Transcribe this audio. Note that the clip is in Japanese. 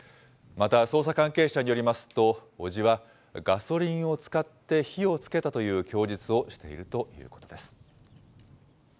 また捜査関係者によりますと、伯父はガソリンを使って火をつけたという供述をしているということです。